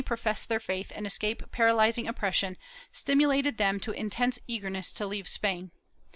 II] EXPULSION 397 profess their faith and escape paralyzing oppression, stimulated them to intense eagerness to leave Spain.